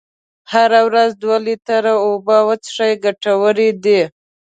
هره ورځ دوه لیتره اوبه وڅښئ ګټورې دي.